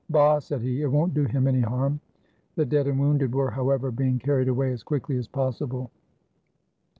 "Bah!" said he, "it won't do him any harm." The dead and wounded were, however, being carried away as quickly as possible.